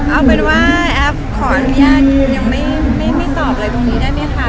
เอาเป็นว่าแอฟขออนุญาตยังไม่ตอบอะไรตรงนี้ได้ไหมคะ